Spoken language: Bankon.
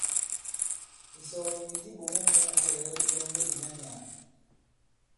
Ìsɔge ndi di ɓòŋo nyɛ̄ ǎ lɛ̀gɛ ilɔŋge ìna nyàà.